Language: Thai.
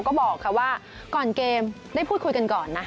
ก็บอกว่าก่อนเกมได้พูดคุยกันก่อนนะ